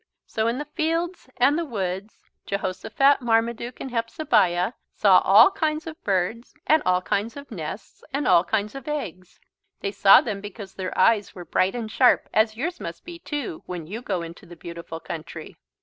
So in the fields and the woods Jehosophat, Marmaduke and Hepzebiah saw all kinds of birds and all kinds of nests and all kinds of eggs. They saw them because their eyes were bright and sharp as yours must be too when you go into the beautiful country.